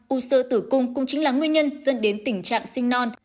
u sơ tử cung cũng chính là nguyên nhân dẫn đến tình trạng sinh non